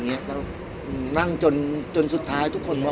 พี่อัดมาสองวันไม่มีใครรู้หรอก